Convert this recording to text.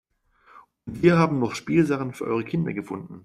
Und wir haben noch Spielsachen für eure Kinder gefunden.